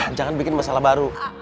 jangan bikin masalah baru